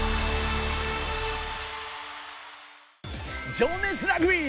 「情熱ラグビー」